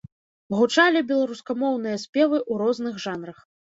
Гучалі беларускамоўныя спевы ў розных жанрах.